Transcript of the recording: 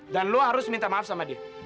dan lu harus minta maaf sama dia